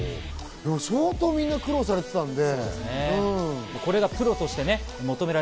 相当みんな苦労されてきたんで。